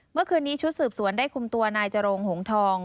เมื่อคืนนี้ชุดสืบสวนได้คุมตัวนายจรงหงทอง